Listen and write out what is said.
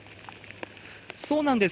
そうなんです。